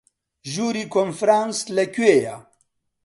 ژووری کۆنفرانس لەکوێیە؟